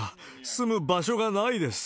住む場所がないです。